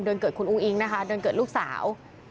เกิดคุณอุ้งอิงนะคะเดือนเกิดลูกสาว